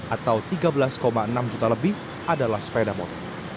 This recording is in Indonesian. atau tiga belas enam juta lebih adalah sepeda motor